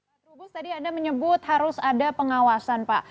pak trubus tadi anda menyebut harus ada pengawasan pak